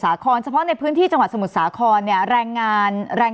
ครเฉพาะในพื้นที่จังหวัดสมุทรสาครเนี่ยแรงงานแรง